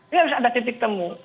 ini harus ada titik temu